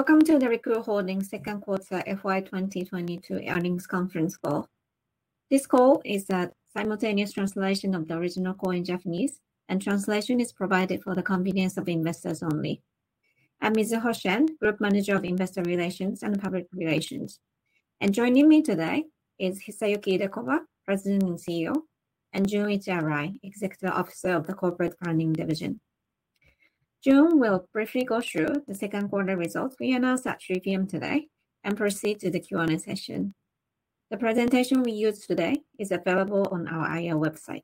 Welcome to the Recruit Holdings second quarter FY 2022 earnings conference call. This call is a simultaneous translation of the original call in Japanese, and translation is provided for the convenience of investors only. I'm Mizuho Shen, Group Manager of Investor Relations and Public Relations. Joining me today is Hisayuki Idekoba, President and CEO, and Junichi Arai, Executive Officer of the Corporate Planning Division. Jun will briefly go through the second quarter results we announced at 3:00 P.M. today and proceed to the Q&A session. The presentation we use today is available on our IR website.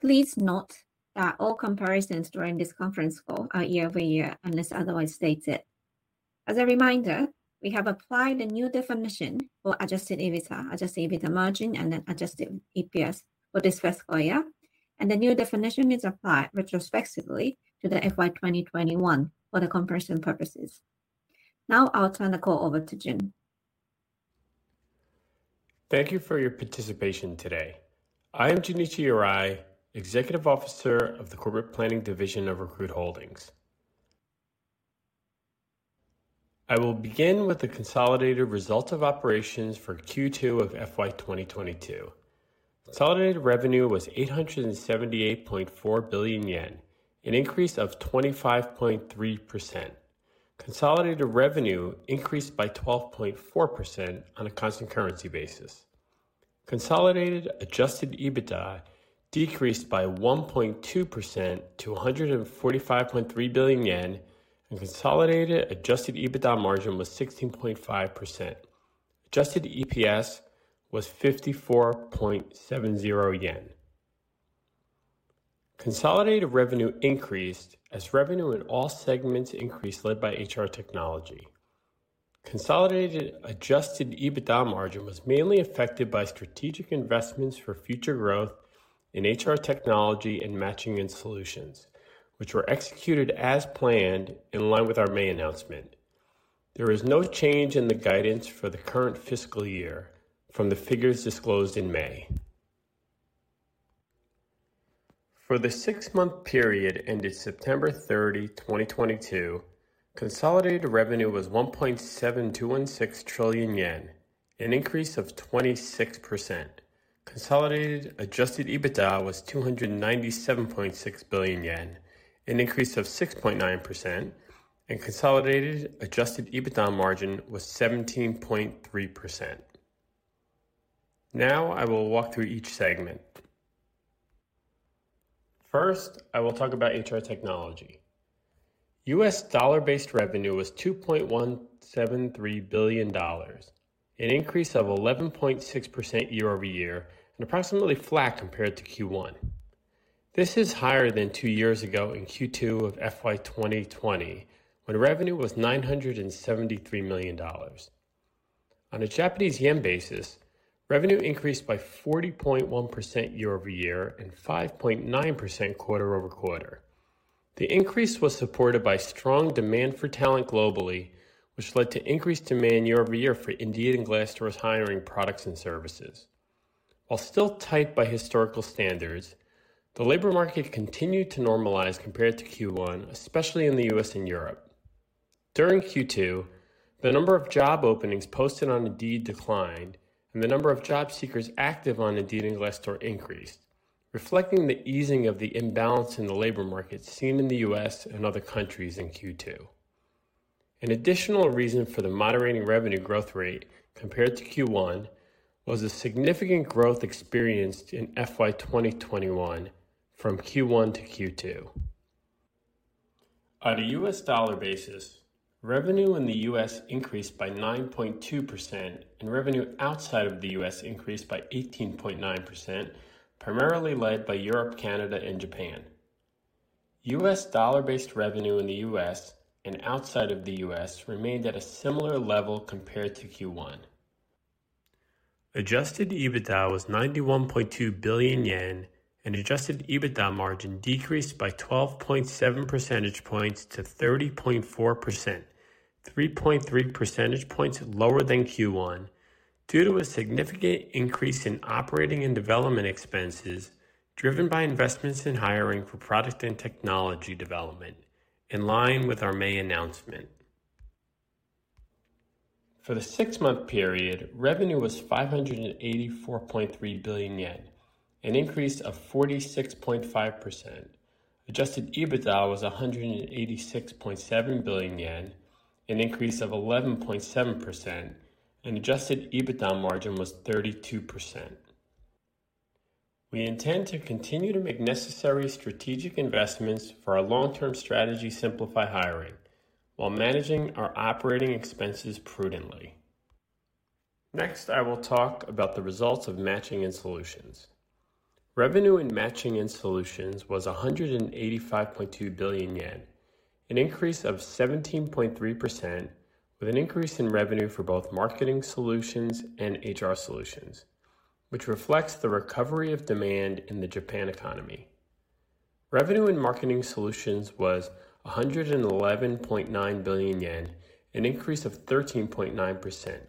Please note that all comparisons during this conference call are year-over-year, unless otherwise stated. As a reminder, we have applied a new definition for Adjusted EBITDA, Adjusted EBITDA margin, and then Adjusted EPS for this first full year, and the new definition is applied retrospectively to the FY 2021 for the comparison purposes. Now, I'll turn the call over to Jun. Thank you for your participation today. I am Junichi Arai, Executive Officer of the Corporate Planning Division of Recruit Holdings. I will begin with the consolidated results of operations for Q2 of FY 2022. Consolidated revenue was 878.4 billion yen, an increase of 25.3%. Consolidated revenue increased by 12.4% on a constant currency basis. Consolidated Adjusted EBITDA decreased by 1.2% to 145.3 billion yen, and consolidated Adjusted EBITDA margin was 16.5%. Adjusted EPS was 54.70 yen. Consolidated revenue increased as revenue in all segments increased led by HR Technology. Consolidated Adjusted EBITDA margin was mainly affected by strategic investments for future growth in HR Technology and Matching & Solutions, which were executed as planned in line with our May announcement. There is no change in the guidance for the current fiscal year from the figures disclosed in May. For the six-month period ended September 30, 2022, consolidated revenue was 1.7216 trillion yen, an increase of 26%. Consolidated Adjusted EBITDA was 297.6 billion yen, an increase of 6.9%, and consolidated Adjusted EBITDA margin was 17.3%. Now, I will walk through each segment. First, I will talk about HR Technology. U.S. dollar-based revenue was $2.173 billion, an increase of 11.6% year-over-year, and approximately flat compared to Q1. This is higher than two years ago in Q2 of FY 2020 when revenue was $973 million. On a Japanese yen basis, revenue increased by 40.1% year-over-year and 5.9% quarter-over-quarter. The increase was supported by strong demand for talent globally, which led to increased demand year-over-year for Indeed and Glassdoor's hiring products and services. While still tight by historical standards, the labor market continued to normalize compared to Q1, especially in the U.S. and Europe. During Q2, the number of job openings posted on Indeed declined and the number of job seekers active on Indeed and Glassdoor increased, reflecting the easing of the imbalance in the labor market seen in the U.S. and other countries in Q2. An additional reason for the moderating revenue growth rate compared to Q1 was a significant growth experienced in FY 2021 from Q1 to Q2. On a U.S. dollar basis, revenue in the U.S. increased by 9.2%, and revenue outside of the U.S. increased by 18.9%, primarily led by Europe, Canada, and Japan. U.S. dollar-based revenue in the U.S. and outside of the U.S. Remained at a similar level compared to Q1. Adjusted EBITDA was 91.2 billion yen, and Adjusted EBITDA margin decreased by 12.7 percentage points to 30.4%, 3.3 percentage points lower than Q1 due to a significant increase in operating and development expenses driven by investments in hiring for product and technology development in line with our May announcement. For the six-month period, revenue was 584.3 billion yen, an increase of 46.5%. Adjusted EBITDA was 186.7 billion yen, an increase of 11.7%, and Adjusted EBITDA margin was 32%. We intend to continue to make necessary strategic investments for our long-term strategy Simplify Hiring while managing our operating expenses prudently. Next, I will talk about the results of Matching & Solutions. Revenue in Matching & Solutions was 185.2 billion yen, an increase of 17.3% with an increase in revenue for both Marketing Solutions and HR Solutions, which reflects the recovery of demand in the Japanese economy. Revenue in Marketing Solutions was 111.9 billion yen, an increase of 13.9%.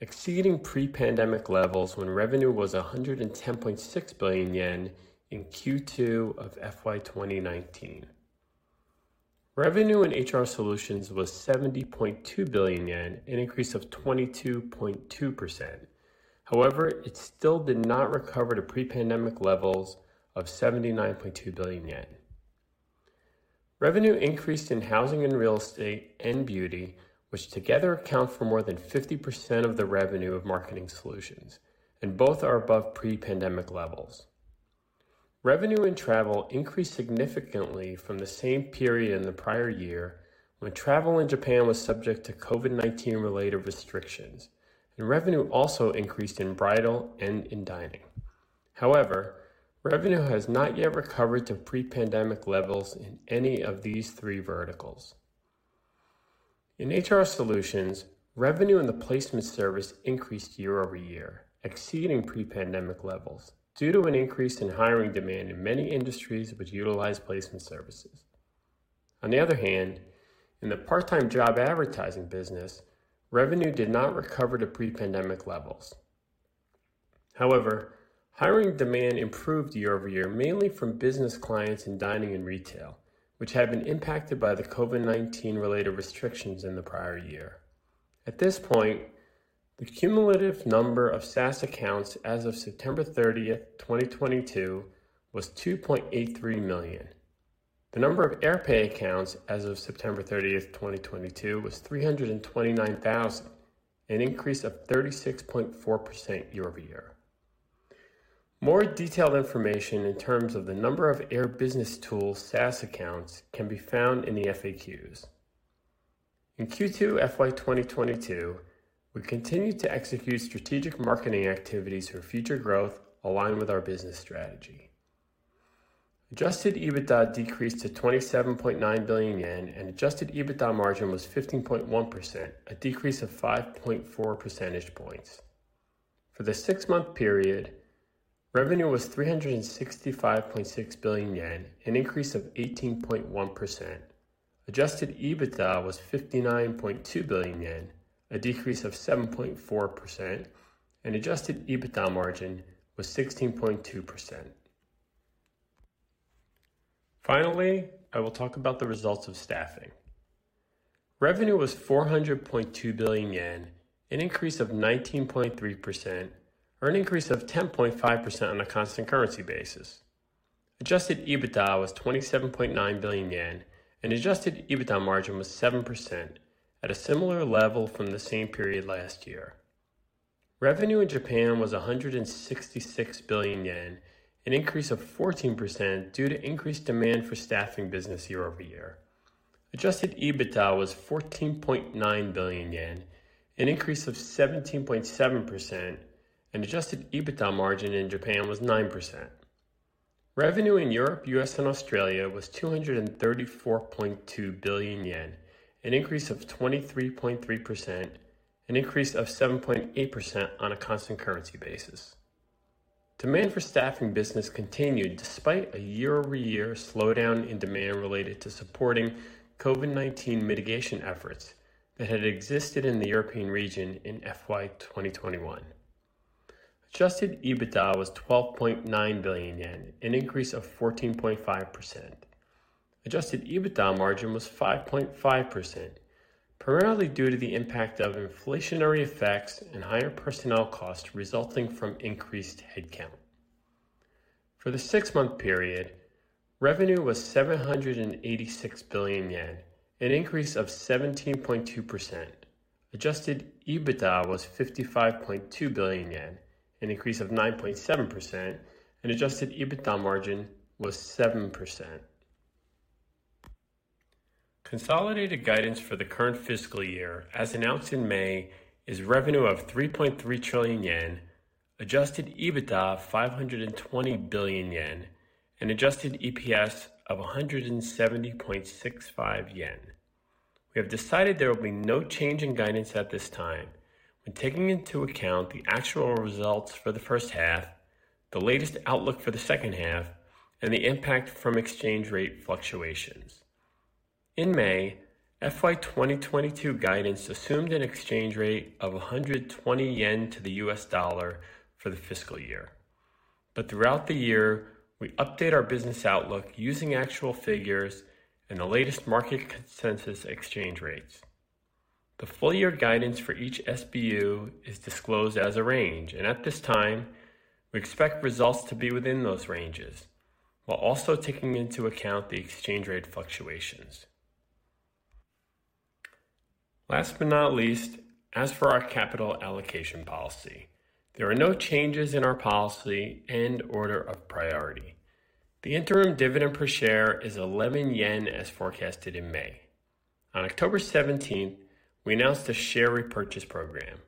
Exceeding pre-pandemic levels when revenue was 110.6 billion yen in Q2 of FY2019. Revenue in HR Solutions was 70.2 billion yen, an increase of 22.2%. However, it still did not recover to pre-pandemic levels of 79.2 billion yen. Revenue increased in housing, real estate, and beauty, which together account for more than 50% of the revenue of Marketing Solutions, and both are above pre-pandemic levels. Revenue in travel increased significantly from the same period in the prior year, when travel in Japan was subject to COVID-19 related restrictions, and revenue also increased in bridal and in dining. However, revenue has not yet recovered to pre-pandemic levels in any of these three verticals. In HR Solutions, revenue in the placement service increased year-over-year, exceeding pre-pandemic levels due to an increase in hiring demand in many industries which utilize placement services. On the other hand, in the part-time job advertising business, revenue did not recover to pre-pandemic levels. However, hiring demand improved year-over-year, mainly from business clients in dining and retail, which had been impacted by the COVID-19 related restrictions in the prior year. At this point, the cumulative number of SaaS accounts as of September 30, 2022 was 2.83 million. The number of AirPAY accounts as of September 30, 2022 was 329,000, an increase of 36.4% year-over-year. More detailed information in terms of the number of Air BusinessTools SaaS accounts can be found in the FAQs. In Q2 FY2022, we continued to execute strategic marketing activities for future growth aligned with our business strategy. Adjusted EBITDA decreased to 27.9 billion yen, and adjusted EBITDA margin was 15.1%, a decrease of 5.4 percentage points. For the six-month period, revenue was 365.6 billion yen, an increase of 18.1%. Adjusted EBITDA was 59.2 billion yen, a decrease of 7.4%, and adjusted EBITDA margin was 16.2%. Finally, I will talk about the results of staffing. Revenue was 400.2 billion yen, an increase of 19.3%, or an increase of 10.5% on a constant currency basis. Adjusted EBITDA was 27.9 billion yen, and adjusted EBITDA margin was 7% at a similar level from the same period last year. Revenue in Japan was 166 billion yen, an increase of 14% due to increased demand for staffing business year-over-year. Adjusted EBITDA was 14.9 billion yen, an increase of 17.7%, and adjusted EBITDA margin in Japan was 9%. Revenue in Europe, U.S., and Australia was 234.2 billion yen, an increase of 23.3%, an increase of 7.8% on a constant currency basis. Demand for staffing business continued despite a year-over-year slowdown in demand related to supporting COVID-19 mitigation efforts that had existed in the European region in FY2021. Adjusted EBITDA was 12.9 billion yen, an increase of 14.5%. Adjusted EBITDA margin was 5.5%, primarily due to the impact of inflationary effects and higher personnel costs resulting from increased headcount. For the six-month period, revenue was 786 billion yen, an increase of 17.2%. Adjusted EBITDA was 55.2 billion yen, an increase of 9.7%, and adjusted EBITDA margin was 7%. Consolidated guidance for the current fiscal year, as announced in May, is revenue of 3.3 trillion yen, adjusted EBITDA of 520 billion yen, and adjusted EPS of 170.65 yen. We have decided there will be no change in guidance at this time when taking into account the actual results for the first half, the latest outlook for the second half, and the impact from exchange rate fluctuations. In May, FY2022 guidance assumed an exchange rate of 120 yen to the U.S. dollar for the fiscal year. Throughout the year, we update our business outlook using actual figures and the latest market consensus exchange rates. The full year guidance for each SBU is disclosed as a range, and at this time, we expect results to be within those ranges, while also taking into account the exchange rate fluctuations. Last but not least, as for our capital allocation policy, there are no changes in our policy and order of priority. The interim dividend per share is 11 yen, as forecasted in May. On October seventeenth, we announced a share repurchase program.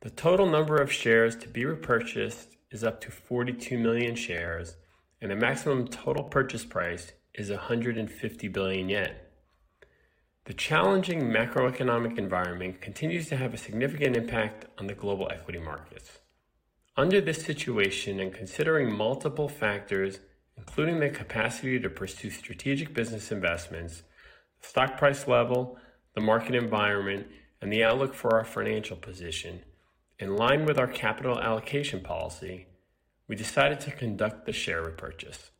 The total number of shares to be repurchased is up to 42 million shares, and the maximum total purchase price is 150 billion yen. The challenging macroeconomic environment continues to have a significant impact on the global equity markets. Under this situation and considering multiple factors, including the capacity to pursue strategic business investments, stock price level, the market environment, and the outlook for our financial position, in line with our capital allocation policy, we decided to conduct the share repurchase.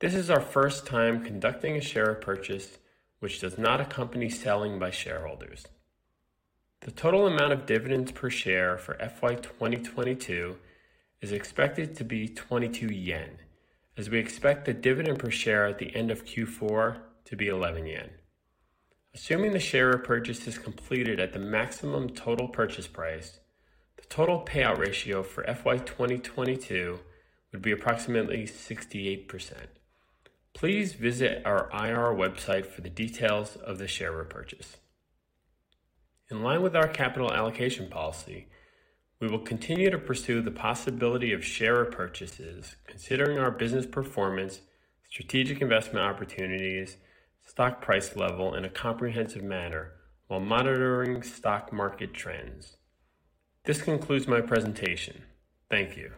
This is our first time conducting a share repurchase which does not accompany selling by shareholders. The total amount of dividends per share for FY 2022 is expected to be 22 yen, as we expect the dividend per share at the end of Q4 to be 11 yen. Assuming the share repurchase is completed at the maximum total purchase price, the total payout ratio for FY 2022 would be approximately 68%. Please visit our IR website for the details of the share repurchase. In line with our capital allocation policy, we will continue to pursue the possibility of share repurchases considering our business performance, strategic investment opportunities, stock price level in a comprehensive manner while monitoring stock market trends. This concludes my presentation. Thank you.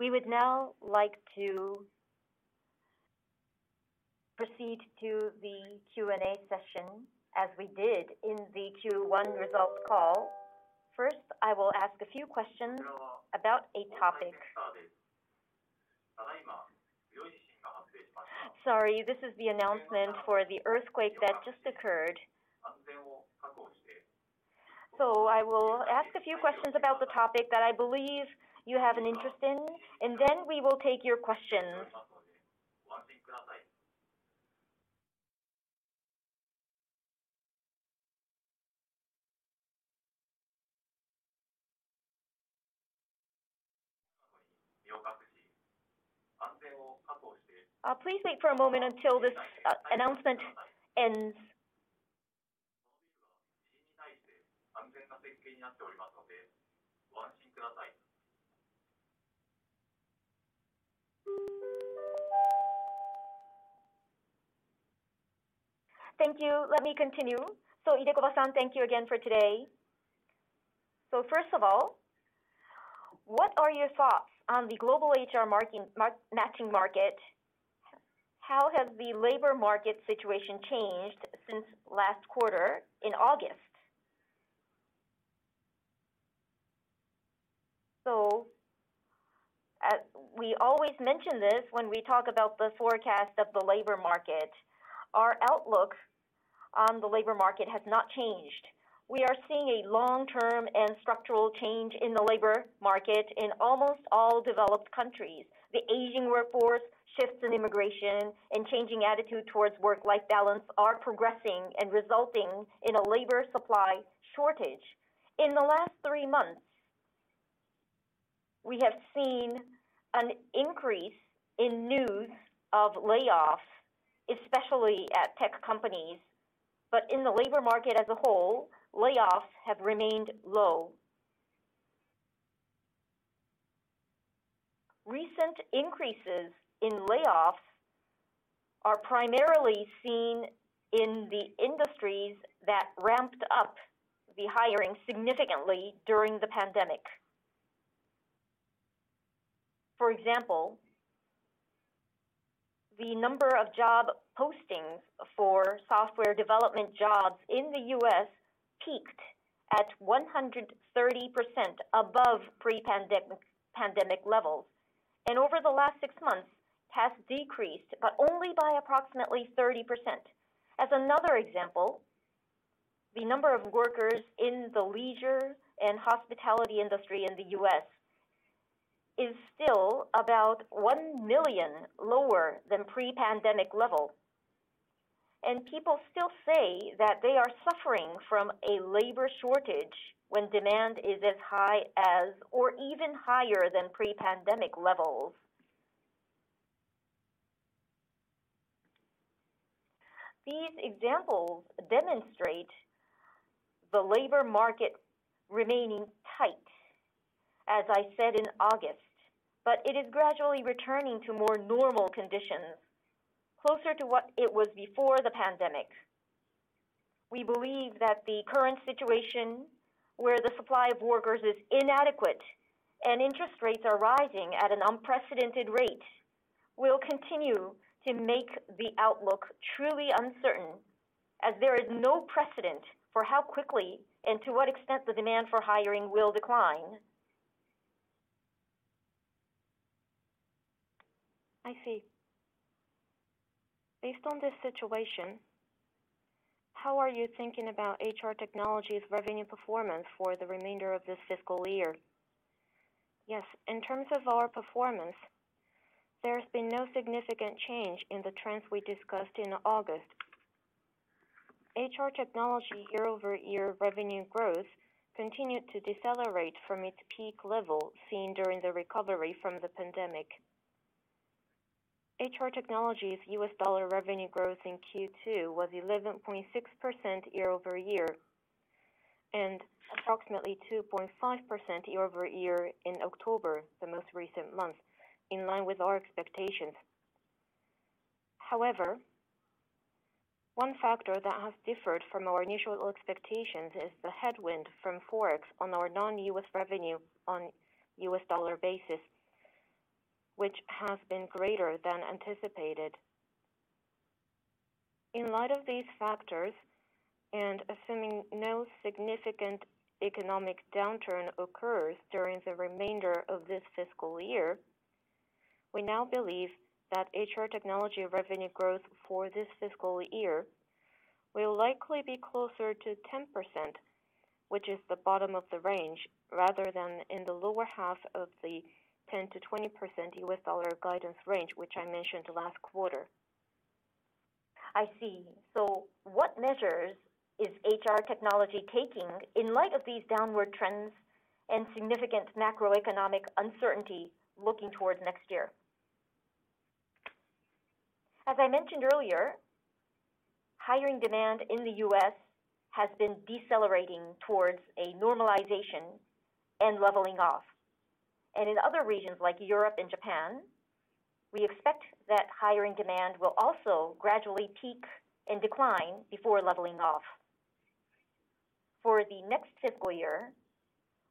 We would now like to proceed to the Q&A session as we did in the Q1 results call. First, I will ask a few questions about a topic. Sorry, this is the announcement for the earthquake that just occurred. I will ask a few questions about the topic that I believe you have an interest in, and then we will take your questions. Please wait for a moment until this announcement ends. Thank you. Let me continue. Idekoba-san, thank you again for today. First of all, what are your thoughts on the global HR marketing matching market? How has the labor market situation changed since last quarter in August? As we always mention this when we talk about the forecast of the labor market, our outlook on the labor market has not changed. We are seeing a long-term and structural change in the labor market in almost all developed countries. The aging workforce, shifts in immigration, and changing attitude towards work-life balance are progressing and resulting in a labor supply shortage. In the last three months, we have seen an increase in news of layoffs, especially at tech companies. But in the labor market as a whole, layoffs have remained low. Recent increases in layoffs are primarily seen in the industries that ramped up the hiring significantly during the pandemic. For example, the number of job postings for software development jobs in the U.S. peaked at 130% above pre-pandemic levels, and over the last six months has decreased, but only by approximately 30%. As another example, the number of workers in the leisure and hospitality industry in the U.S. is still about 1 million lower than pre-pandemic level. People still say that they are suffering from a labor shortage when demand is as high as or even higher than pre-pandemic levels. These examples demonstrate the labor market remaining tight, as I said in August, but it is gradually returning to more normal conditions closer to what it was before the pandemic. We believe that the current situation where the supply of workers is inadequate and interest rates are rising at an unprecedented rate will continue to make the outlook truly uncertain, as there is no precedent for how quickly and to what extent the demand for hiring will decline. I see. Based on this situation, how are you thinking about HR Technology revenue performance for the remainder of this fiscal year? Yes. In terms of our performance, there's been no significant change in the trends we discussed in August. HR Technology year-over-year revenue growth continued to decelerate from its peak level seen during the recovery from the pandemic. HR Technology U.S. dollar revenue growth in Q2 was 11.6% year-over-year. Approximately 2.5% year-over-year in October, the most recent month, in line with our expectations. However, one factor that has differed from our initial expectations is the headwind from forex on our non-U.S. Revenue on U.S. dollar basis, which has been greater than anticipated. In light of these factors, and assuming no significant economic downturn occurs during the remainder of this fiscal year, we now believe that HR Technology revenue growth for this fiscal year will likely be closer to 10%, which is the bottom of the range, rather than in the lower half of the 10%-20% U.S. dollar guidance range, which I mentioned last quarter. I see. What measures is HR Technology taking in light of these downward trends and significant macroeconomic uncertainty looking towards next year? As I mentioned earlier, hiring demand in the U.S. has been decelerating towards a normalization and leveling off. In other regions like Europe and Japan, we expect that hiring demand will also gradually peak and decline before leveling off. For the next fiscal year,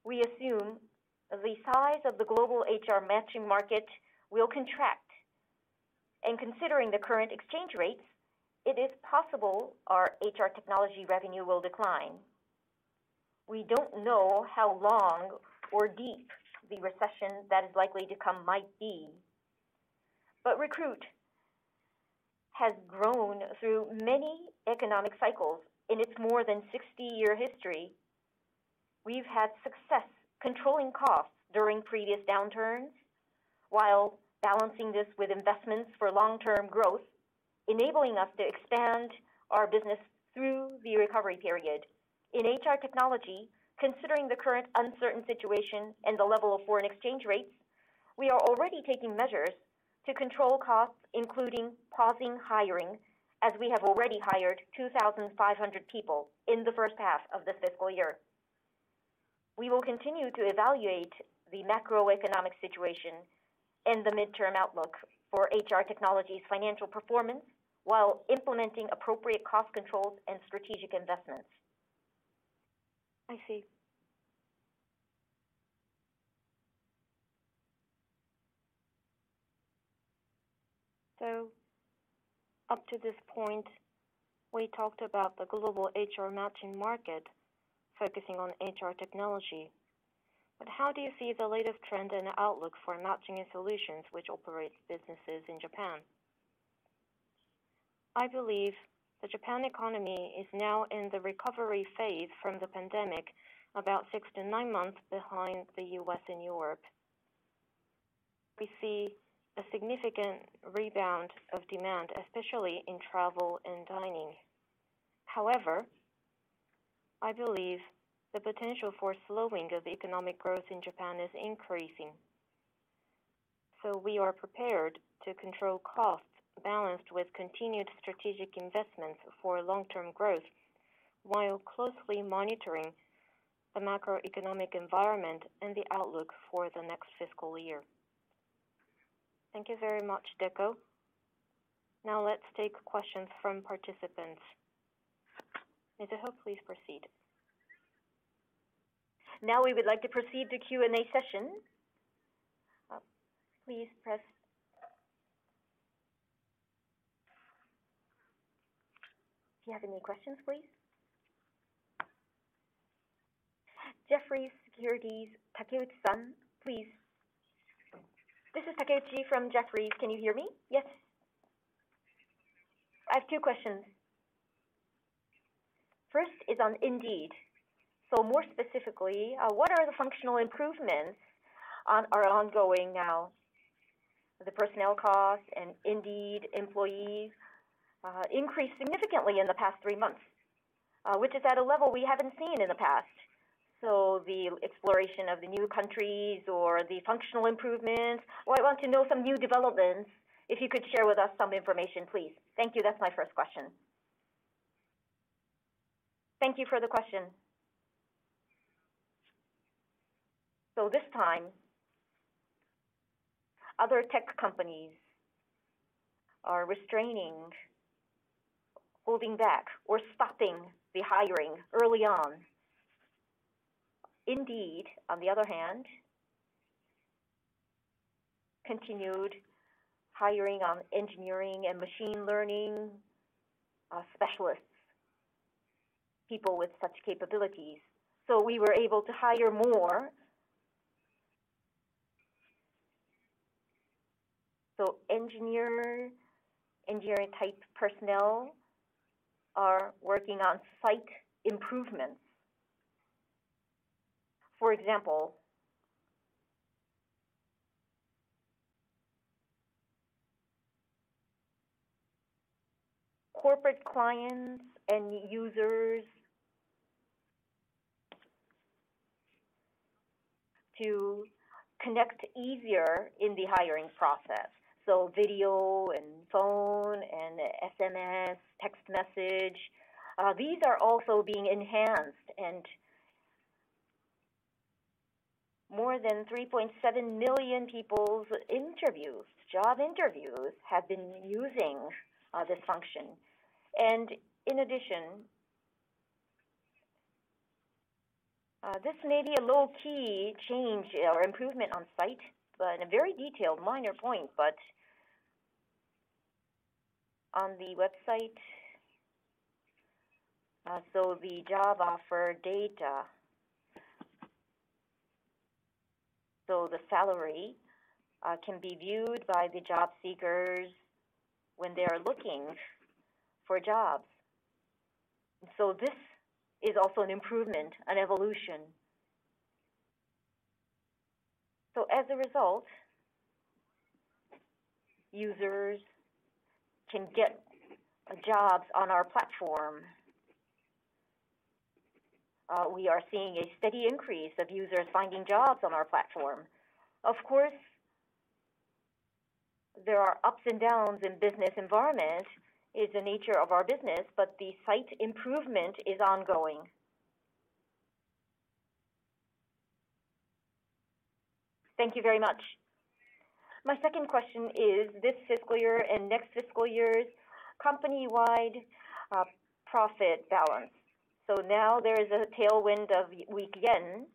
we assume the size of the global HR matching market will contract. Considering the current exchange rates, it is possible our HR technology revenue will decline. We don't know how long or deep the recession that is likely to come might be. Recruit has grown through many economic cycles in its more than 60-year history. We've had success controlling costs during previous downturns while balancing this with investments for long-term growth, enabling us to expand our business through the recovery period. In HR Technology, considering the current uncertain situation and the level of foreign exchange rates, we are already taking measures to control costs, including pausing hiring as we have already hired 2,500 people in the first half of the fiscal year. We will continue to evaluate the macroeconomic situation and the midterm outlook for HR Technology's financial performance while implementing appropriate cost controls and strategic investments. I see. Up to this point, we talked about the global HR matching market focusing on HR Technology. How do you see the latest trend and outlook for Matching & Solutions, which operates businesses in Japan? I believe the Japan economy is now in the recovery phase from the pandemic, about six to nine months behind the U.S. and Europe. We see a significant rebound of demand, especially in travel and dining. However, I believe the potential for slowing of economic growth in Japan is increasing. We are prepared to control costs balanced with continued strategic investments for long-term growth while closely monitoring the macroeconomic environment and the outlook for the next fiscal year. Thank you very much, Deko. Now let's take questions from participants. Mizuho, please proceed. Now we would like to proceed to Q&A session. If you have any questions, please. Jefferies, Takeuchi, please. This is Takeuchi from Jefferies. Can you hear me? Yes. I have two questions. First is on Indeed. More specifically, what are the functional improvements or something going on now? The personnel costs and Indeed employees increased significantly in the past three months, which is at a level we haven't seen in the past. The expansion of the new countries or the functional improvements, or I want to know some new developments, if you could share with us some information, please. Thank you. That's my first question. Thank you for the question. This time, other tech companies are restraining, holding back or stopping the hiring early on. Indeed, on the other hand, continued hiring in engineering and machine learning specialists, people with such capabilities. We were able to hire more. Engineering type personnel are working on site improvements. For example, corporate clients and users to connect easier in the hiring process. Video and phone and SMS, text message, these are also being enhanced and more than 3.7 million people's interviews, job interviews have been using this function. In addition, this may be a low-key change or improvement on site, but a very detailed minor point, but on the website, so the job offer data, so the salary can be viewed by the job seekers when they are looking for jobs. This is also an improvement and evolution. As a result, users can get jobs on our platform. We are seeing a steady increase of users finding jobs on our platform. Of course, there are ups and downs in business environment is the nature of our business, but the site improvement is ongoing. Thank you very much. My second question is this fiscal year and next fiscal year's company-wide profit balance. So now there is a tailwind of weak yen.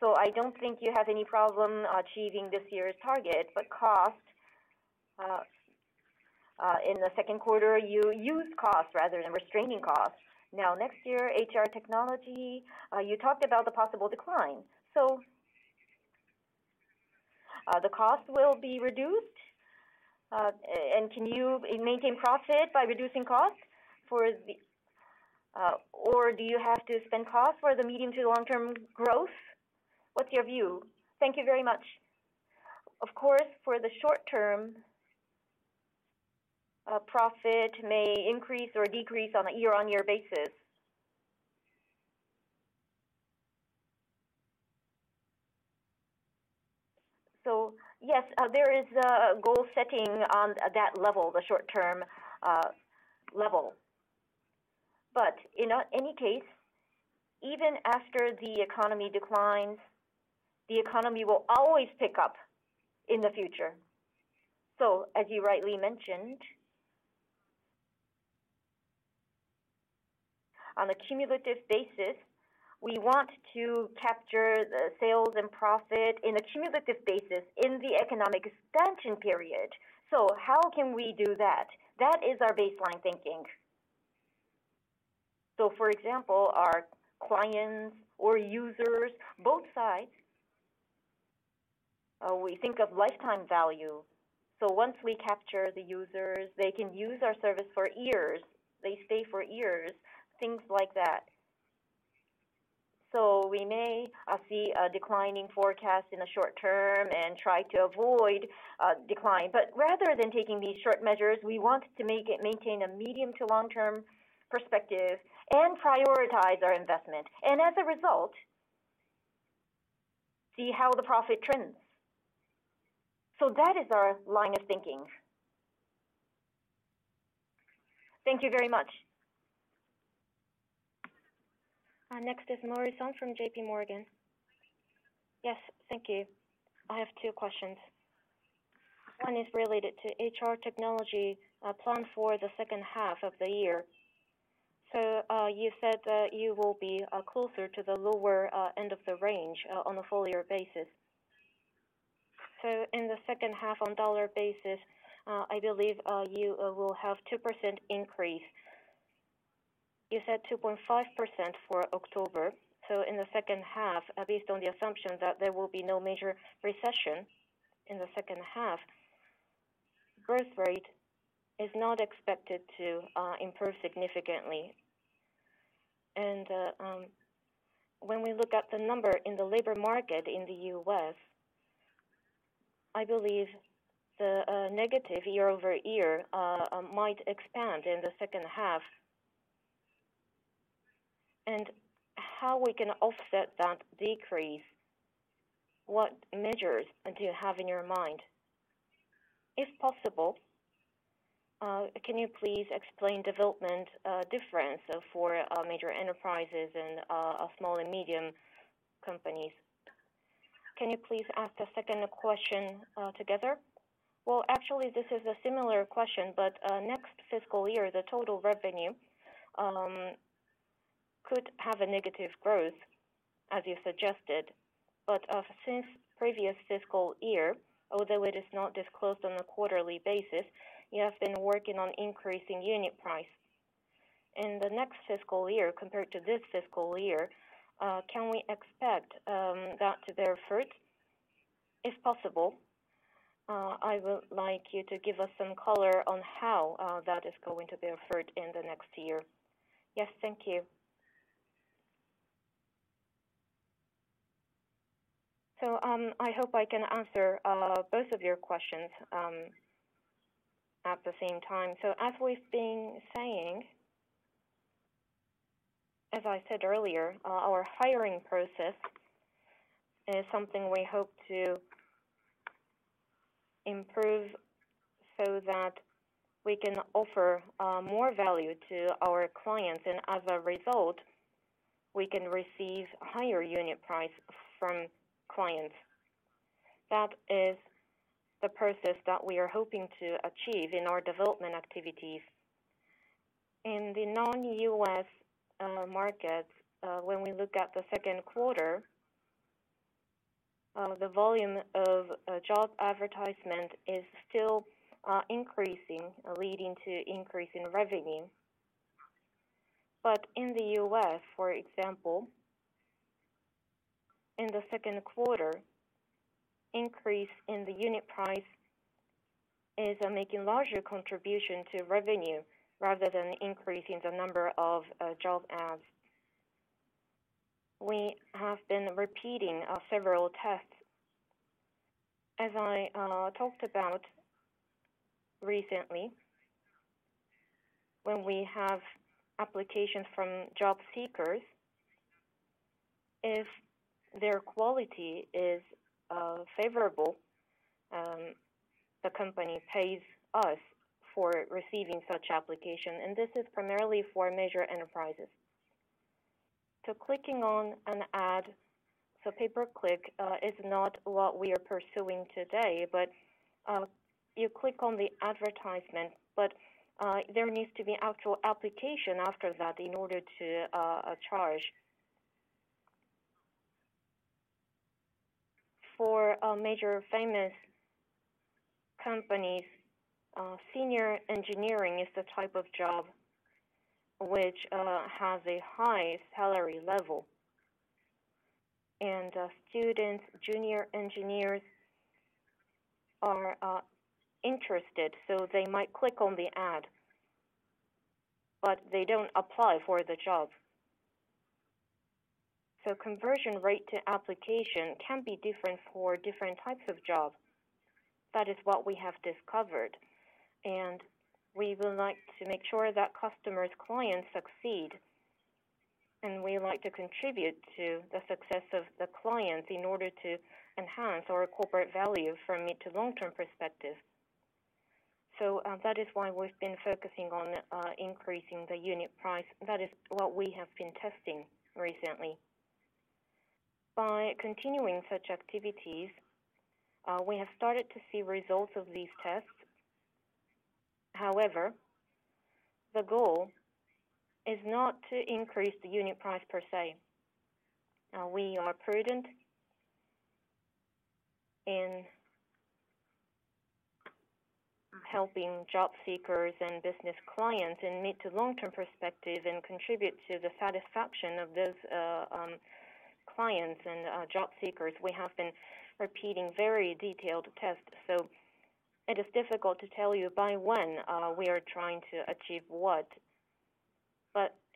So I don't think you have any problem achieving this year's target, but cost in the second quarter, you used cost rather than restraining cost. Now, next year, HR Technology, you talked about the possible decline. So, the cost will be reduced? And can you maintain profit by reducing costs for the. Or do you have to spend costs for the medium to long-term growth? What's your view? Thank you very much. Of course, for the short term, profit may increase or decrease on a year-on-year basis. Yes, there is a goal setting on that level, the short term level. In any case, even after the economy declines, the economy will always pick up in the future. As you rightly mentioned, on a cumulative basis, we want to capture the sales and profit in a cumulative basis in the economic expansion period. How can we do that? That is our baseline thinking. For example, our clients or users, both sides, we think of lifetime value. Once we capture the users, they can use our service for years. They stay for years, things like that. We may see a declining forecast in the short term and try to avoid decline. Rather than taking these short measures, we want to maintain a medium to long-term perspective and prioritize our investment. As a result, see how the profit trends. That is our line of thinking. Thank you very much. Next is Mori-san from JPMorgan. Yes, thank you. I have two questions. One is related to HR Technology plan for the second half of the year. You said that you will be closer to the lower end of the range on a full year basis. In the second half on dollar basis, I believe you will have 2% increase. You said 2.5% for October. In the second half, based on the assumption that there will be no major recession in the second half, growth rate is not expected to improve significantly. When we look at the number in the labor market in the U.S., I believe the negative year-over-year might expand in the second half. How can we offset that decrease? What measures do you have in your mind? If possible, can you please explain development difference for major enterprises and small and medium companies? Can you please ask the second question together? Well, actually this is a similar question, but next fiscal year, the total revenue could have a negative growth as you suggested. Since previous fiscal year, although it is not disclosed on a quarterly basis, you have been working on increasing unit price. In the next fiscal year compared to this fiscal year, can we expect that to bear fruit? If possible, I would like you to give us some color on how that is going to bear fruit in the next year. Yes. Thank you. I hope I can answer both of your questions at the same time. As we've been saying, as I said earlier, our hiring process is something we hope to improve so that we can offer more value to our clients. As a result, we can receive higher unit price from clients. That is the process that we are hoping to achieve in our development activities. In the non-U.S. markets, when we look at the second quarter, the volume of job advertisement is still increasing, leading to increase in revenue. In the U.S., for example, in the second quarter, increase in the unit price is making larger contribution to revenue rather than increasing the number of job ads. We have been repeating several tests. As I talked about recently, when we have applications from job seekers, if their quality is favorable, the company pays us for receiving such application, and this is primarily for major enterprises. Clicking on an ad, pay-per-click is not what we are pursuing today, but you click on the advertisement, but there needs to be actual application after that in order to charge. For a major famous companies, senior engineering is the type of job which has a high salary level. Students, junior engineers are interested, so they might click on the ad, but they don't apply for the job. Conversion rate to application can be different for different types of job. That is what we have discovered. We would like to make sure that customers, clients succeed. We like to contribute to the success of the clients in order to enhance our corporate value from mid to long-term perspective. That is why we've been focusing on increasing the unit price. That is what we have been testing recently. By continuing such activities, we have started to see results of these tests. However, the goal is not to increase the unit price per se. We are prudent in helping job seekers and business clients in mid to long-term perspective and contribute to the satisfaction of those clients and job seekers. We have been repeating very detailed tests, so it is difficult to tell you by when we are trying to achieve what.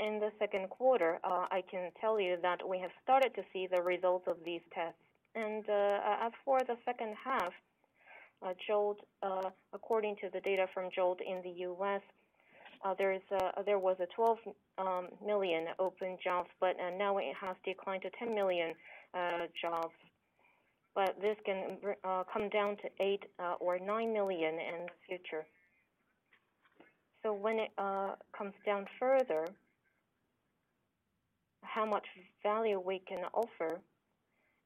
In the second quarter, I can tell you that we have started to see the results of these tests. As for the second half, JOLTS, according to the data from JOLTS in the U.S., there was a 12 million open jobs, but now it has declined to 10 million jobs. This can come down to eight or nine million in the future. When it comes down further, how much value we can offer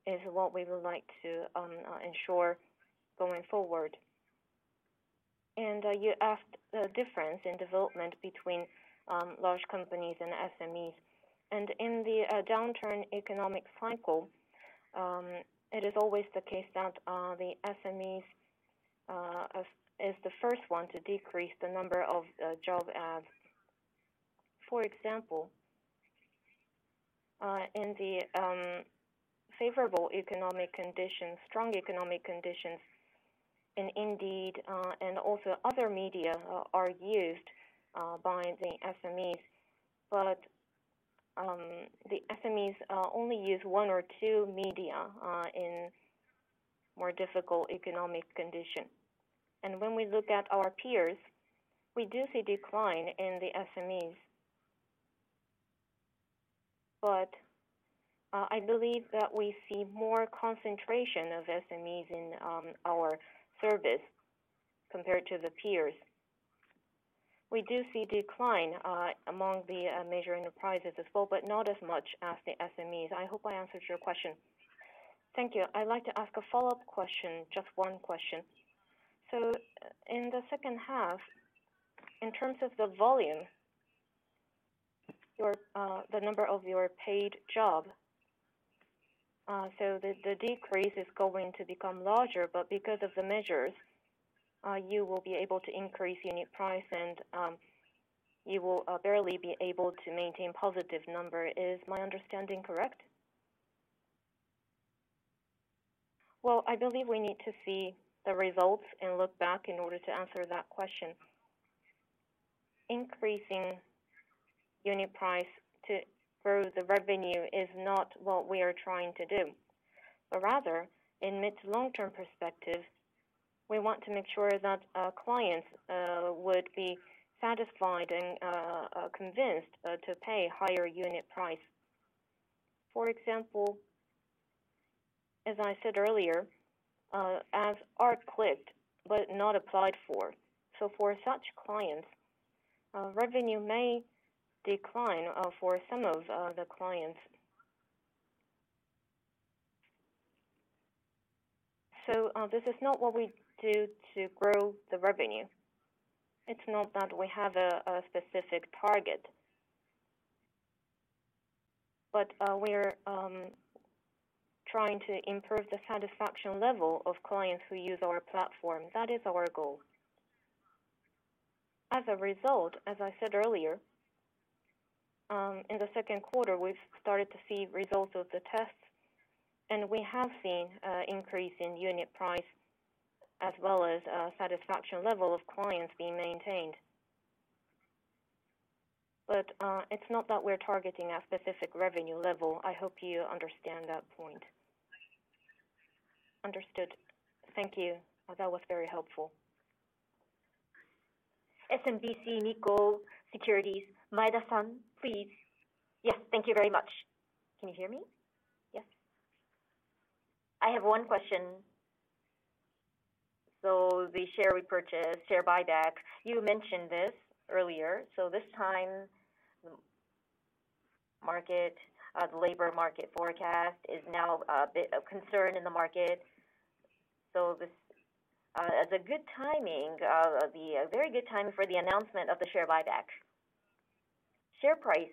is what we would like to ensure going forward. You asked the difference in development between large companies and SMEs. In the downturn economic cycle, it is always the case that the SMEs is the first one to decrease the number of job ads. For example, in the favorable economic conditions, strong economic conditions, Indeed and also other media are used by the SMEs. The SMEs only use one or two media in more difficult economic condition. When we look at our peers, we do see decline in the SMEs. I believe that we see more concentration of SMEs in our service compared to the peers. We do see decline among the major enterprises as well, but not as much as the SMEs. I hope I answered your question. Thank you. I'd like to ask a follow-up question, just one question. In the second half, in terms of the volume, your the number of your paid job so the decrease is going to become larger, but because of the measures you will be able to increase unit price and you will barely be able to maintain positive number. Is my understanding correct? Well, I believe we need to see the results and look back in order to answer that question. Increasing unit price to grow the revenue is not what we are trying to do. Rather, in mid- to long-term perspective, we want to make sure that our clients would be satisfied and convinced to pay higher unit price. For example, as I said earlier, as our clicks but not applied for. So for such clients, revenue may decline for some of the clients. This is not what we do to grow the revenue. It's not that we have a specific target. We're trying to improve the satisfaction level of clients who use our platform. That is our goal. As a result, as I said earlier, in the second quarter, we've started to see results of the tests, and we have seen increase in unit price as well as satisfaction level of clients being maintained. It's not that we're targeting a specific revenue level. I hope you understand that point. Understood. Thank you. Well, that was very helpful. SMBC Nikko Securities Inc., Maeda-san, please. Yes, thank you very much. Can you hear me? Yes. I have one question. The share repurchase, share buyback, you mentioned this earlier. This time, market, the labor market forecast is now a bit a concern in the market. This, as a good timing, the, a very good time for the announcement of the share buyback. Share price,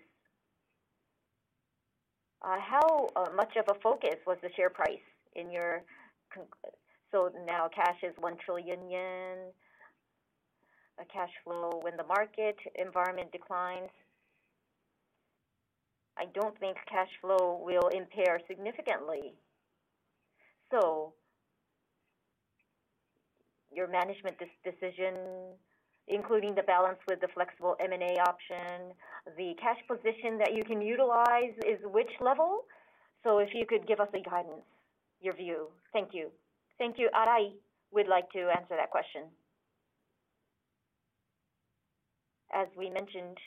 how much of a focus was the share price in your con. Now cash is 1 trillion yen. Cash flow when the market environment declines. I don't think cash flow will impair significantly. Your management decision, including the balance with the flexible M&A option, the cash position that you can utilize is which level? If you could give us a guidance, your view. Thank you. Thank you. Arai would like to answer that question. As we mentioned,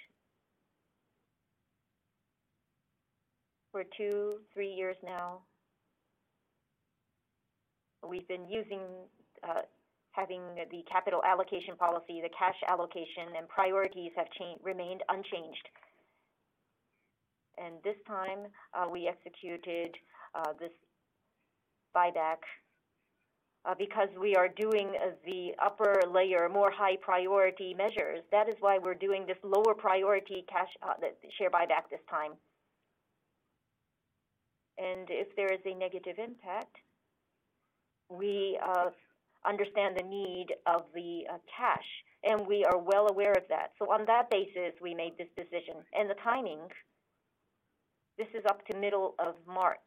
for two to three years now, we've been having the capital allocation policy, the cash allocation, and priorities have remained unchanged. This time, we executed this buyback because we are doing the upper layer, more high priority measures. That is why we're doing this lower priority cash, the share buyback this time. If there is a negative impact, we understand the need of the cash, and we are well aware of that. On that basis, we made this decision. The timing, this is up to middle of March.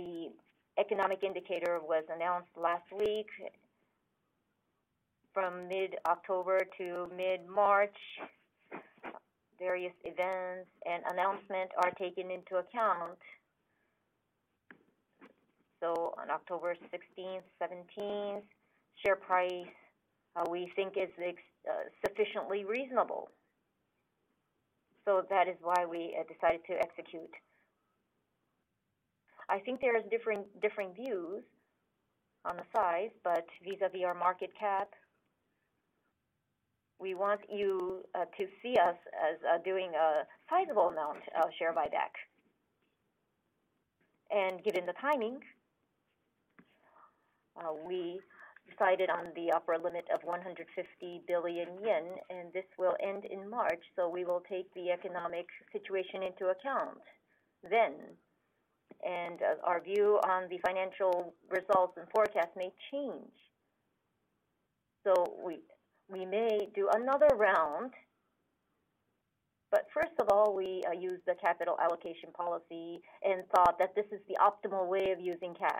The economic indicator was announced last week. From mid-October to mid-March, various events and announcement are taken into account. On October sixteenth, seventeenth, share price, we think is sufficiently reasonable. That is why we decided to execute. I think there is different views on the size, but vis-à-vis our market cap, we want you to see us as doing a sizable amount of share buyback. Given the timing, we decided on the upper limit of 150 billion yen, and this will end in March. We will take the economic situation into account then. Our view on the financial results and forecast may change. We may do another round. First of all, we used the capital allocation policy and thought that this is the optimal way of using cash.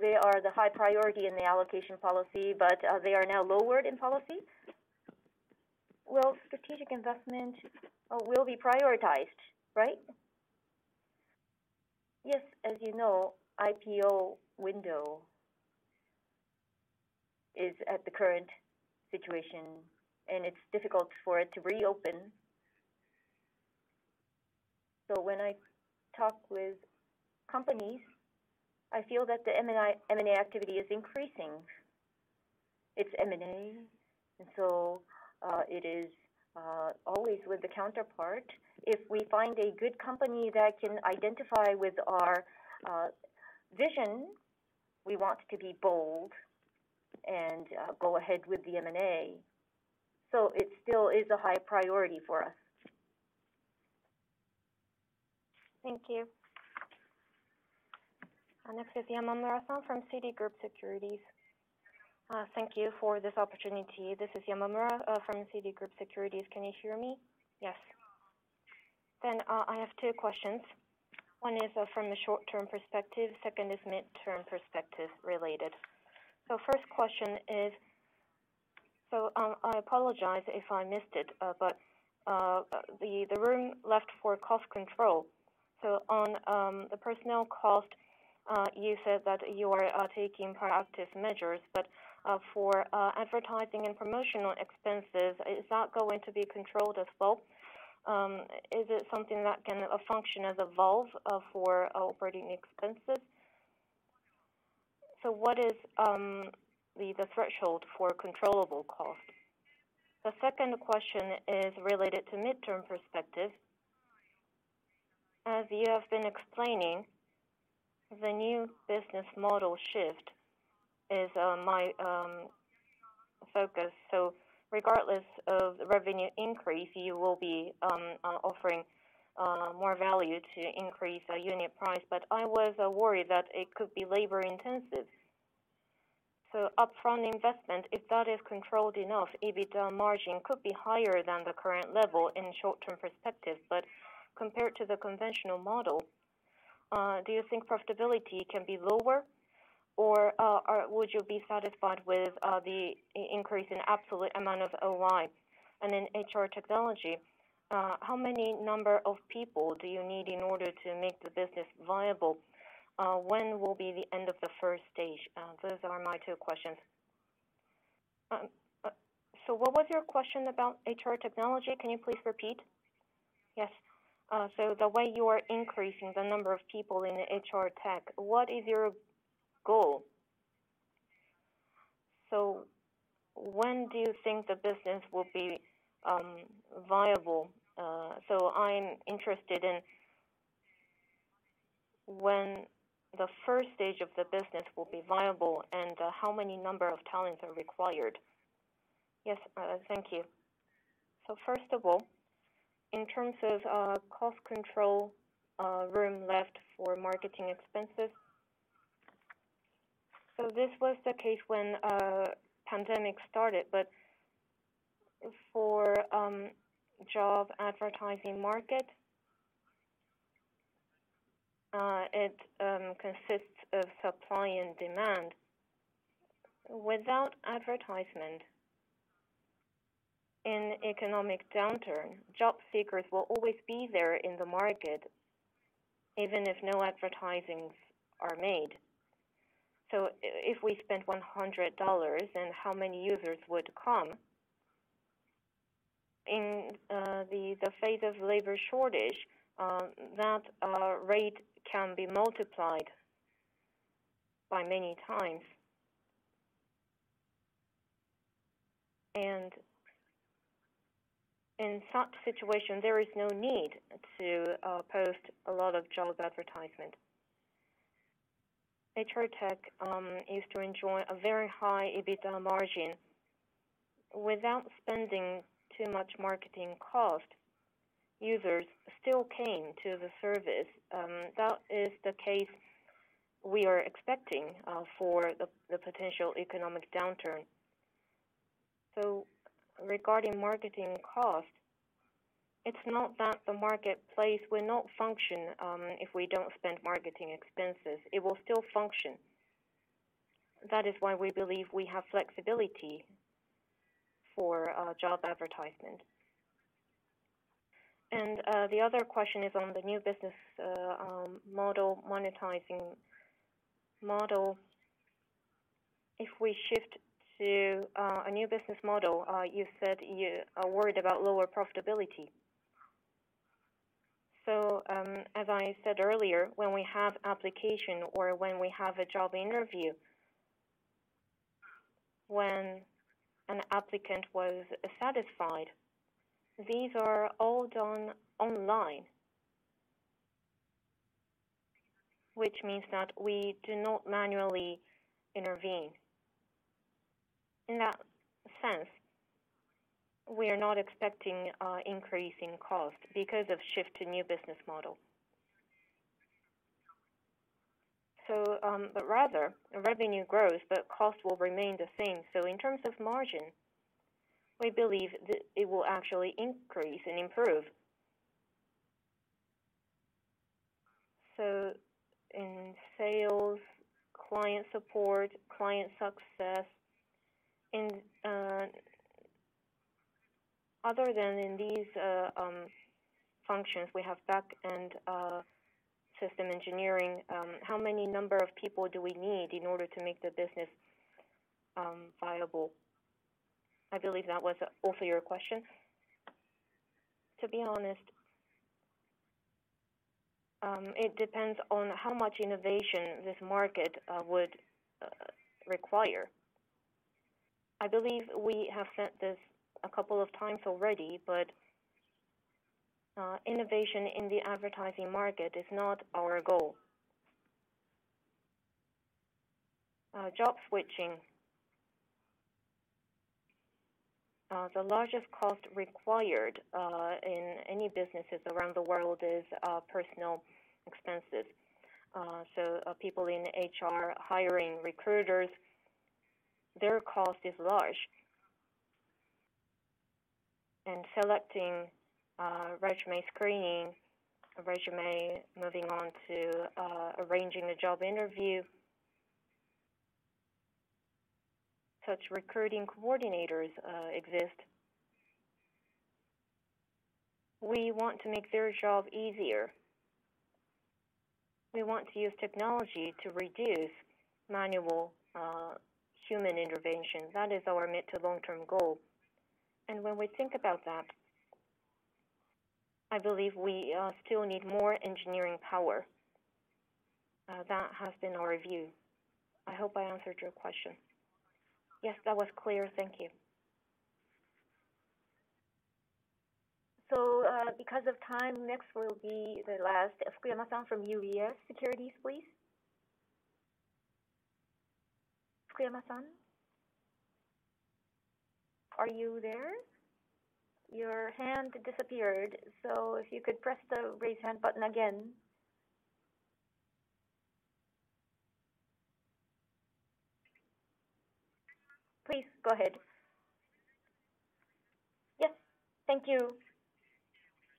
They are the high priority in the allocation policy, but they are now lowered in policy? Well, strategic investment will be prioritized, right? Yes. As you know, IPO window is at the current situation, and it's difficult for it to reopen. When I talk with companies, I feel that the M&A activity is increasing. It's M&A, and so it is always with the counterpart. If we find a good company that can identify with our vision, we want to be bold and go ahead with the M&A. It still is a high priority for us. Thank you. Next is Junko Yamamura from Citigroup Securities Thank you for this opportunity. This is Junko Yamamura from Citigroup Securities Can you hear me? Yes. I have two questions. One is from the short-term perspective, second is midterm perspective related. First question is. I apologize if I missed it, but the room left for cost control. On the personnel cost, you said that you are taking proactive measures, but for advertising and promotional expenses, is that going to be controlled as well? Is it something that can function as a valve for operating expenses? What is the threshold for controllable cost? The second question is related to midterm perspective. As you have been explaining, the new business model shift is my focus. Regardless of revenue increase, you will be offering more value to increase unit price. I was worried that it could be labor intensive. Upfront investment, if that is controlled enough, EBITDA margin could be higher than the current level in short-term perspective. Compared to the conventional model, do you think profitability can be lower, or would you be satisfied with the increase in absolute amount of OI? In HR Technology, how many number of people do you need in order to make the business viable? When will be the end of the first stage? Those are my two questions. What was your question about HR Technology? Can you please repeat? Yes. The way you are increasing the number of people in HR tech, what is your goal? When do you think the business will be viable? I'm interested in when the first stage of the business will be viable and how many number of talents are required. Yes. Thank you. First of all, in terms of cost control, room left for marketing expenses. This was the case when pandemic started, but for job advertising market, it consists of supply and demand. Without advertisement in economic downturn, job seekers will always be there in the market even if no advertisements are made. If we spent $100, then how many users would come? In the phase of labor shortage, that rate can be multiplied by many times. In such situation, there is no need to post a lot of job advertisements. HR Tech used to enjoy a very high EBITDA margin. Without spending too much marketing cost, users still came to the service. That is the case we are expecting for the potential economic downturn. Regarding marketing cost, it's not that the marketplace will not function if we don't spend marketing expenses, it will still function. That is why we believe we have flexibility for job advertisement. The other question is on the new business model, monetizing model. If we shift to a new business model, you said you are worried about lower profitability. As I said earlier, when we have application or when we have a job interview, when an applicant was satisfied, these are all done online, which means that we do not manually intervene. In that sense, we are not expecting increase in cost because of shift to new business model. Rather revenue grows, but cost will remain the same. In terms of margin, we believe it will actually increase and improve. In sales, client support, client success, in other than in these functions, we have back-end system engineering, how many number of people do we need in order to make the business viable? I believe that was also your question. To be honest, it depends on how much innovation this market would require. I believe we have said this a couple of times already, but innovation in the advertising market is not our goal. Job switching. The largest cost required in any businesses around the world is personal expenses. People in HR, hiring recruiters, their cost is large. Selecting, resume screening, a resume moving on to arranging a job interview, such recruiting coordinators exist. We want to make their job easier. We want to use technology to reduce manual human intervention. That is our mid- to long-term goal. When we think about that, I believe we still need more engineering power. That has been our view. I hope I answered your question. Yes, that was clear. Thank you. Because of time, next will be the last. Fukuyama-san from UBS Securities, please. Fukuyama-san, are you there? Your hand disappeared, so if you could press the raise hand button again. Please go ahead. Yes. Thank you.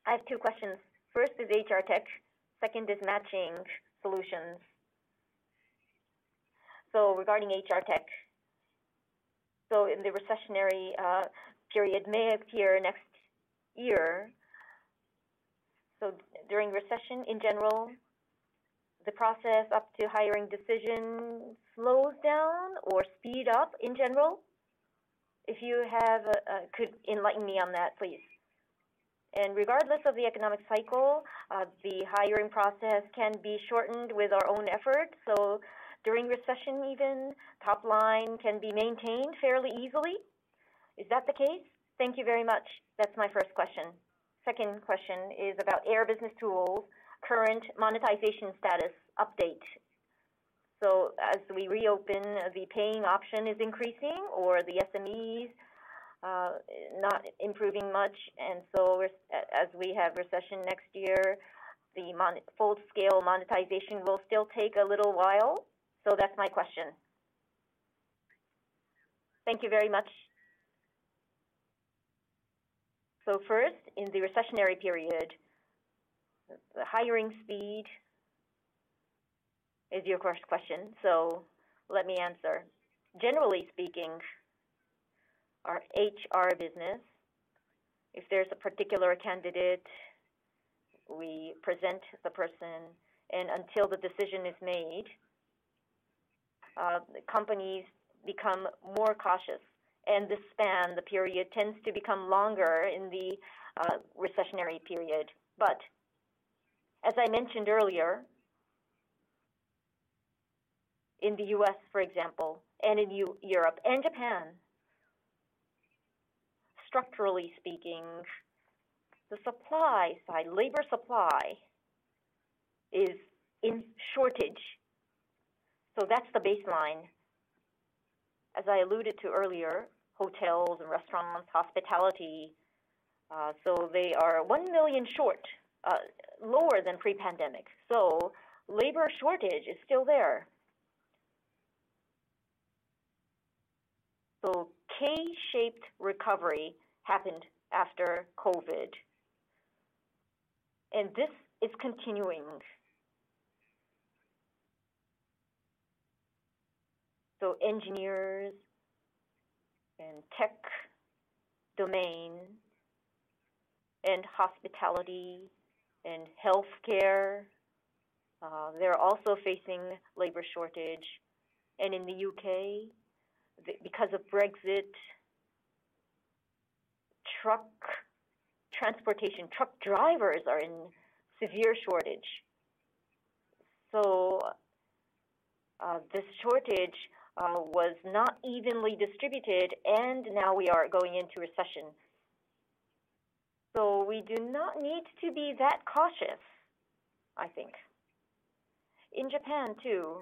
I have two questions. First is HR Technology, second is Matching & Solutions. Regarding HR Technology, the recessionary period may appear next year. During recession in general, the process up to hiring decision slows down or speed up in general? If you could enlighten me on that, please. Regardless of the economic cycle, the hiring process can be shortened with our own effort. During recession even, top line can be maintained fairly easily. Is that the case? Thank you very much. That's my first question. Second question is about Air BusinessTools' current monetization status update. As we reopen, the paying adoption is increasing or the SMEs not improving much. As we have recession next year, the full scale monetization will still take a little while. That's my question. Thank you very much. First, in the recessionary period, the hiring speed is your first question, so let me answer. Generally speaking, our HR business, if there's a particular candidate, we present the person, and until the decision is made, the companies become more cautious. The span, the period tends to become longer in the recessionary period. As I mentioned earlier, in the U.S., for example, and in Europe and Japan, structurally speaking, the supply side, labor supply is in shortage. That's the baseline. As I alluded to earlier, hotels and restaurants, hospitality, so they are 1 million short, lower than pre-pandemic. Labor shortage is still there. K-shaped recovery happened after COVID, and this is continuing. Engineers and tech domain and hospitality and healthcare, they're also facing labor shortage. In the U.K., because of Brexit, truck transportation, truck drivers are in severe shortage. This shortage was not evenly distributed, and now we are going into recession. We do not need to be that cautious, I think. In Japan too,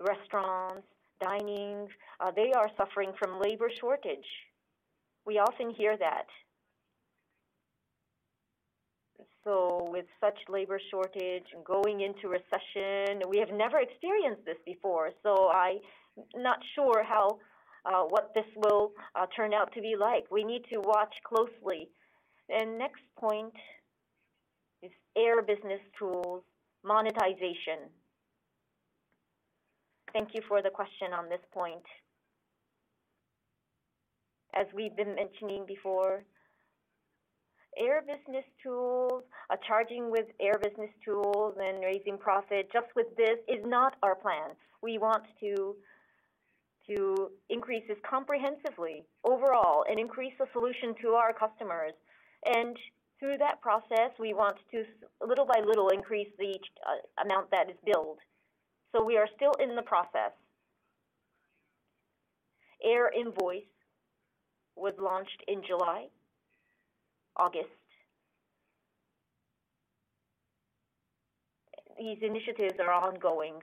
restaurants, dining, they are suffering from labor shortage. We often hear that. With such labor shortage and going into recession, we have never experienced this before, so I'm not sure how what this will turn out to be like. We need to watch closely. Next point is Air BusinessTools monetization. Thank you for the question on this point. As we've been mentioning before, Air BusinessTools are charging with Air BusinessTools and raising profit just with this is not our plan. We want to increase this comprehensively overall and increase the solution to our customers. Through that process, we want to slowly little by little increase the amount that is billed. We are still in the process. Air INVOICE was launched in July, August. These initiatives are ongoing.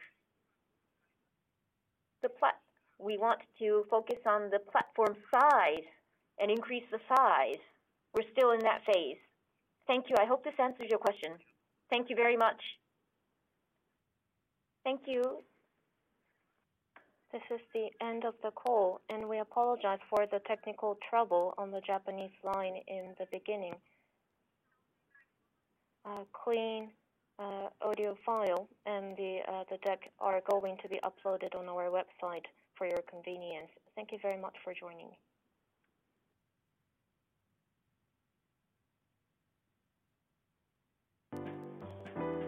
We want to focus on the platform size and increase the size. We're still in that phase. Thank you. I hope this answers your question. Thank you very much. Thank you. This is the end of the call, and we apologize for the technical trouble on the Japanese line in the beginning. A clean audio file and the deck are going to be uploaded on our website for your convenience. Thank you very much for joining.